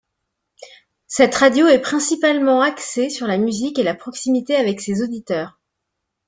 Cette radio est principalement axée sur la musique et la proximité avec ses auditeurs.